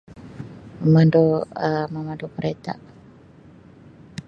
memandu Um memandu kereta.